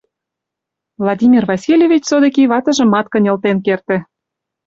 Владимир Васильевич содыки ватыжымат кынелтен керте.